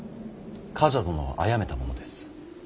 冠者殿をあやめた者です。